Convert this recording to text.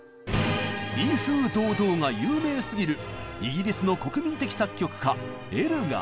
「威風堂々」が有名すぎるイギリスの国民的作曲家エルガー。